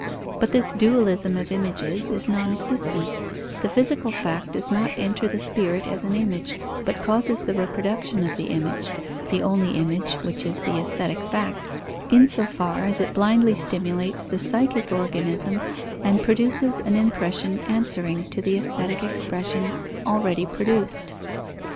But this dualism of images is non existent: the physical fact does not enter the spirit as an image, but causes the reproduction of the image (the only image, which is the aesthetic fact), in so far as it blindly stimulates the psychic organism and produces an impression answering to the aesthetic expression already produced.